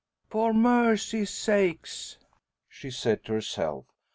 "For mercy sakes!" she said to herself.